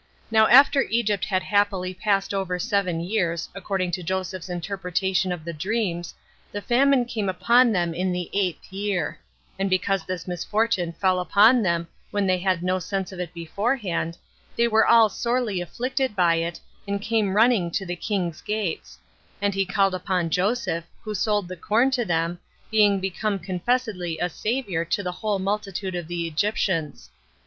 Now after Egypt had happily passed over seven years, according to Joseph's interpretation of the dreams, the famine came upon them in the eighth year; and because this misfortune fell upon them when they had no sense of it beforehand, 5 they were all sorely afflicted by it, and came running to the king's gates; and he called upon Joseph, who sold the corn to them, being become confessedly a savior to the whole multitude of the Egyptians.